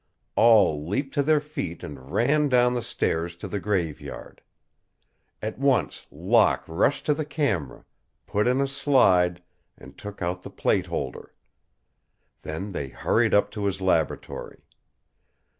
All leaped to their feet and ran down the stairs to the Graveyard. At once Locke rushed to the camera, put in a slide, and took out the plate holder. Then they hurried up to his laboratory.